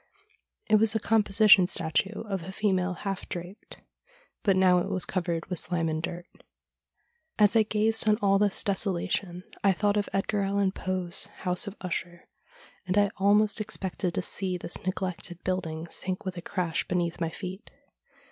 It was a composition statue of a female half draped, but now it was covered with slime and dirt. As I gazed on all this desolation I thought of Edgar Allan Poe's ' House of Usher,' and I almost expected to see this neglected building sink with a crash beneath my feet.